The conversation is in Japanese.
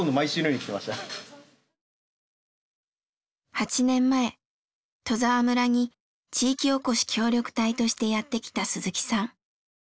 ８年前戸沢村に地域おこし協力隊としてやって来た鈴木さん。